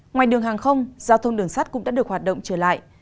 ngoài đường hàng không giao thông đường sắt cũng đã được hoạt động trở lại